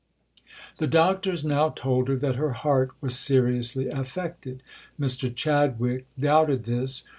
The doctors now told her that her heart was seriously affected. Mr. Chadwick doubted this.